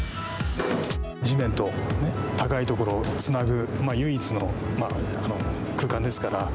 地面と高い所をつなぐ唯一の空間ですから。